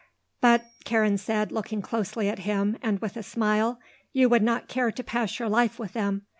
_" "But," Karen said, looking closely at him, and with a smile, "you would not care to pass your life with them.